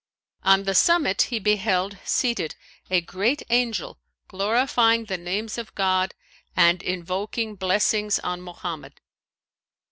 On the summit he beheld seated a great Angel glorifying the names of God and invoking blessings on Mohammed.